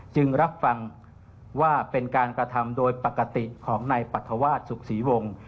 จึงรับฟังว่าเป็นการกระทำโดยปกติของนายปรัฐวาสสุขศรีวงศ์